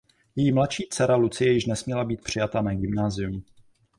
Její mladší dcera Lucie již nesměla být přijata na gymnázium.